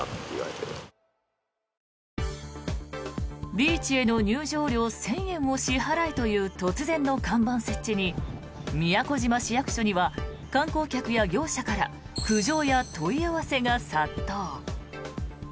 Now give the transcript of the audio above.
ビーチへの入場料１０００円を支払えという突然の看板設置に宮古島市役所には観光客や業者から苦情や問い合わせが殺到。